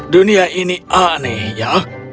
dunia ini aneh ya